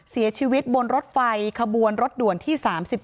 เสียชีวิตบนรถไฟขบวนรถด่วนที่๓๔